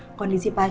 itu nih riel gan